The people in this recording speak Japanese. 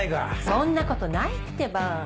そんなことないってば。